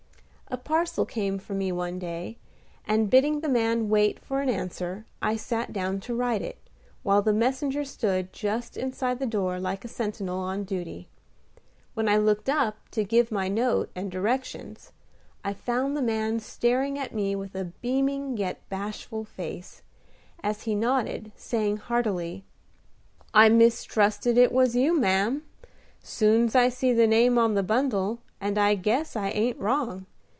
A parcel came for me one day, and bidding the man wait for an answer, I sat down to write it, while the messenger stood just inside the door like a sentinel on duty. When I looked up to give my note and directions, I found the man staring at me with a beaming yet bashful face, as he nodded, saying heartily, "I mistrusted it was you, ma'am, soon's I see the name on the bundle, and I guess I ain't wrong.